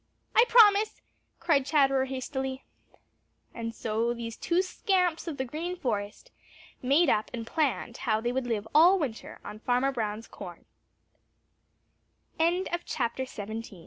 "I promise!" cried Chatterer hastily. And so these two scamps of the Green Forest made up and planned how they would live all winter on Farmer Br